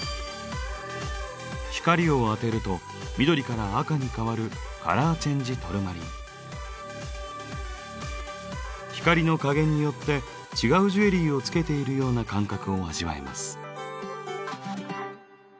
光を当てると緑から赤に変わる光の加減によって違うジュエリーをつけているような感覚を味わえます。